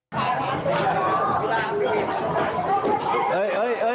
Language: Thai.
เฮ้ย